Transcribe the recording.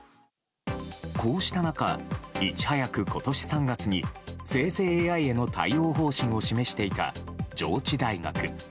こうした中、いち早く今年３月に生成ＡＩへの対応方針を示していた上智大学。